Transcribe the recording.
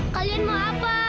kalian mau apa